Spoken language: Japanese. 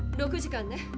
６時間ね。